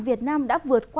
không bắn đứa đứa đứa